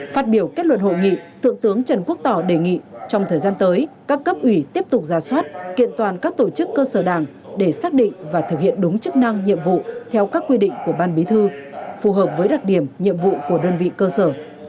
phát biểu kết luận hội nghị thượng tướng trần quốc tỏ đề nghị trong thời gian tới các cấp ủy tiếp tục ra soát kiện toàn các tổ chức cơ sở đảng để xác định và thực hiện đúng chức năng nhiệm vụ theo các quy định của ban bí thư phù hợp với đặc điểm nhiệm vụ của đơn vị cơ sở